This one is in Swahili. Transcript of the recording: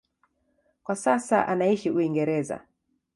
Kwa sasa anaishi Uingereza.